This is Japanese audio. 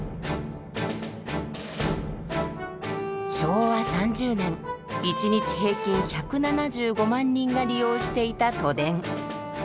昭和３０年一日平均１７５万人が利用していた都電。